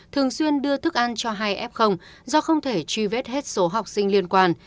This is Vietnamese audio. thường xuyên đưa thức ăn cho hai f do không thể truy vết hết số học sinh liên quan